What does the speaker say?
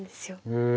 へえ。